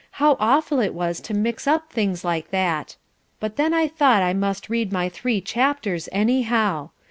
how awful it was to mix up things like that; but then I thought I must read my three chapters anyhow.